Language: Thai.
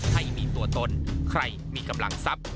ให้มีตัวตนใครมีกำลังทรัพย์